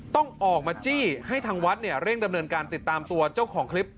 ต้องออกมาจี้ให้ทางวัดเนี่ยเร่งดำเนินการติดตามตัวเจ้าของคลิป